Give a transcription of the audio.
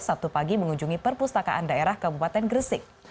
sabtu pagi mengunjungi perpustakaan daerah kabupaten gresik